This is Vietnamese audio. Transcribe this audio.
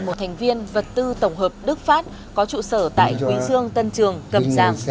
một thành viên vật tư tổng hợp đức pháp có trụ sở tại quý sương tân trường cập giang